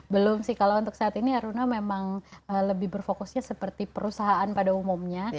belum sih kalau untuk saat ini aruna memang lebih berfokusnya seperti perusahaan pada umumnya